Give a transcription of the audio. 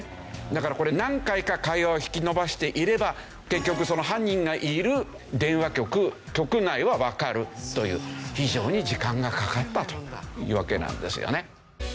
だからこれ何回か会話を引きのばしていれば結局その犯人がいる電話局局内はわかるという非常に時間がかかったというわけなんですよね。